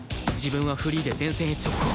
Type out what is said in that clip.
自分はフリーで前線へ直行